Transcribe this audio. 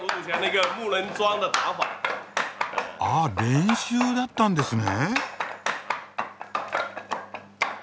あ練習だったんですね。